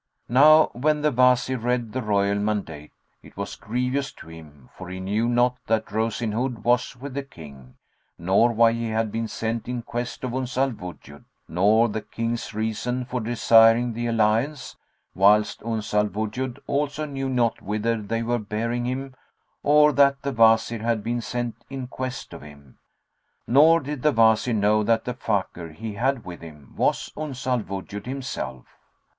Now when the Wazir read the royal mandate, it was grievous to him, for he knew not that Rose in Hood was with the King, nor why he had been sent in quest of Uns al Wujud, nor the King's reason for desiring the alliance; whilst Uns al Wujud also knew not whither they were bearing him or that the Wazir had been sent in quest of him; nor did the Wazir know that the Fakir he had with him was Uns al Wujud himself.